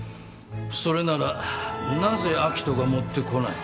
それならなぜ明人が持ってこない？